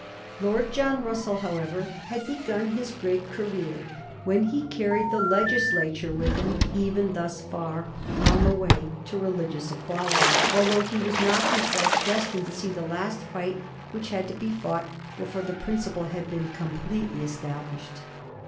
Lord John Russell, however, had begun his great career well when he carried the Legislature with him, even thus far, on the way to religious equality, although he was not himself destined to see the last fight which had to be fought before the principle had been completely established.